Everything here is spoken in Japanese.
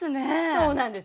そうなんです。